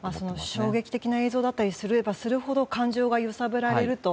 衝撃的な映像だったりすればするほど感情が揺さぶられると。